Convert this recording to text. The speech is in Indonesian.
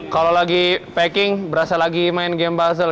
kalau lagi packing berasa lagi main game puzzle